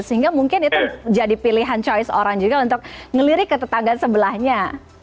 sehingga mungkin itu jadi pilihan choice orang juga untuk ngelirik ke tetangga sebelahnya